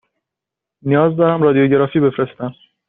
نیاز دارم رادیوگرافی بفرستم.